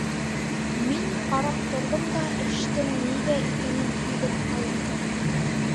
Мин ҡарап торҙом да эштең ниҙә икәнеп һиҙеп ҡалдым.